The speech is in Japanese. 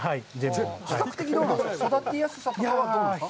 比較的、どうなんですか、育てやすさとかはどうなんですか。